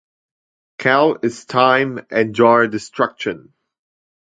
'Kal' is time and 'jar' destruction.